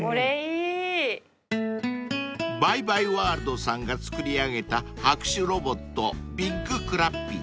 ［バイバイワールドさんが作り上げた拍手ロボットビッグクラッピー］